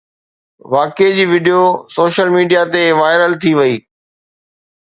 واقعي جي video social media تي وائرل ٿي وئي